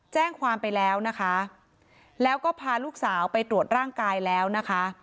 แจ้งความไปแล้วนะคะแล้วก็พาลูกสาวไปตรวจร่างกายแล้วนะคะ